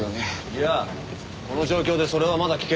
いやこの状況でそれはまだ危険だよ。